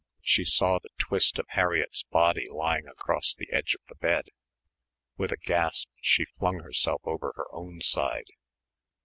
She saw the twist of Harriett's body lying across the edge of the bed. With a gasp she flung herself over her own side.